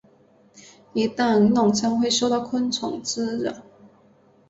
一旦弄脏会受到昆虫滋扰。